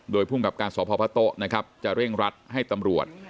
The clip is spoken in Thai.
โดยภูมิกับการสพพะโต๊ะนะครับจะเร่งรัดให้ตำรวจ